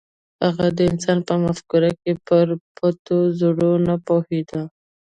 هغه د انسان په مفکورو کې پر پټو زرو نه پوهېده.